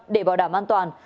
để bảo đảm an toàn